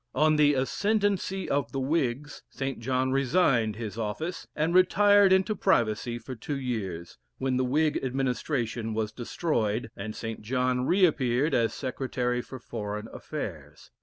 On the ascendency of the Whigs, St. John resigned his office, and retired into privacy for two years, when the Whig administration was destroyed, and St. John re appeared as Secretary for Foreign Affairs.